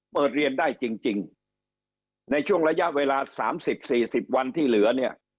เปิดเรียนได้จริงในช่วงระยะเวลา๓๐๔๐วันที่เหลือเนี่ย